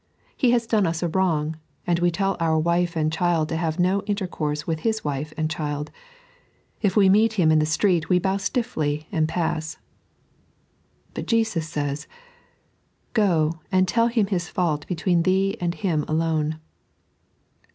He has done us a wrong, and we tell our wife and child to have no inter course. with his wife and chOd. If we meet him in the street, we bow stiffly and pass. But Jesus says, " Oo and tell him his fault between thee and him alone."